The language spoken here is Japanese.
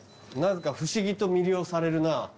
何か不思議と魅了されるな。